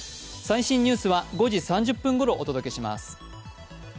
最新ニュースは５時３０分ごろお届けします。